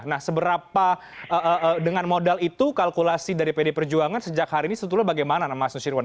nah seberapa dengan modal itu kalkulasi dari pd perjuangan sejak hari ini sebetulnya bagaimana mas nusyirwan